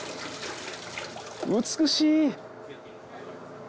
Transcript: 美しい！